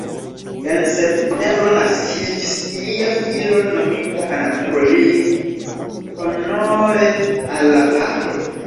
En septembro naskiĝis ilia filo nomita Anatolij, honore al la patro.